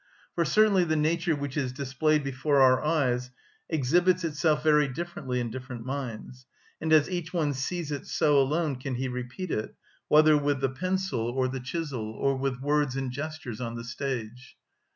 For certainly the nature which is displayed before our eyes exhibits itself very differently in different minds; and as each one sees it so alone can he repeat it, whether with the pencil or the chisel, or with words and gestures on the stage.